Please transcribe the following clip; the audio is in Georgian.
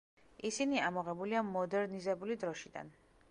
ისინი ამოღებულია მოდერნიზებული დროშიდან.